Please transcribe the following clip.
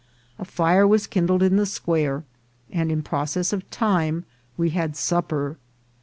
A fire was kin dled in the square, and in process of time we had sup per.